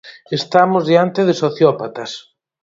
Estamos diante de sociópatas.